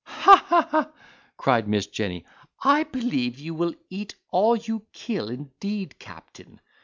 "Ha, ha, ha," cried Miss Jenny, "I believe you will eat all you kill, indeed, captain."